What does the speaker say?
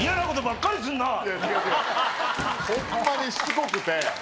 ホンマにしつこくて。